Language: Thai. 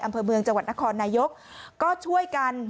อำเภอเมืองจังหวัดนครนายกก็ช่วยกัน